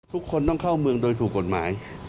ทุกคนต้องเข้าเมืองโดยถูกกฎหมาย